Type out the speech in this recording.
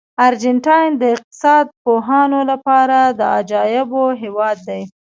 ارجنټاین د اقتصاد پوهانو لپاره د عجایبو هېواد دی.